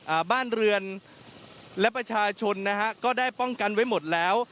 อ่าบ้านเรือนและประชาชนนะฮะก็ได้ป้องกันไว้หมดแล้ว